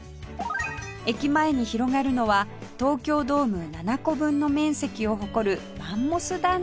駅前に広がるのは東京ドーム７個分の面積を誇るマンモス団地